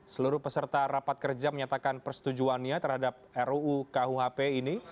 seluruh peserta rapat kerja menyatakan persetujuannya terhadap ruu kuhp ini